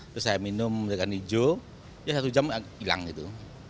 terus saya minum dengan hijau ya satu jam hilang gitu